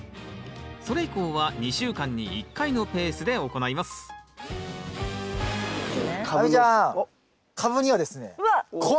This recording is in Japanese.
それ以降は２週間に１回のペースで行います亜美ちゃん！